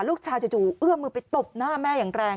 จู่เอื้อมือไปตบหน้าแม่อย่างแรง